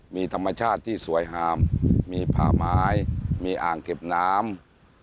มีธรรมชาติที่สวยงามมีผ่าไม้มีอ่างเก็บน้ำ